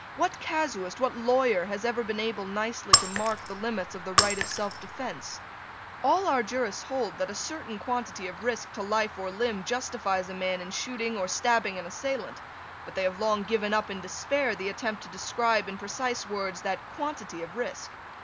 What casuist, what lawyer, has ever been able nicely to mark the limits of the right of selfdefence? All our jurists bold that a certain quantity of risk to life or limb justifies a man in shooting or stabbing an assailant: but they have long given up in despair the attempt to describe, in precise words, that quantity of risk.